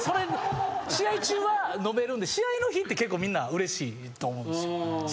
試合中は飲めるんで試合の日って結構みんなうれしいと思うんですよ。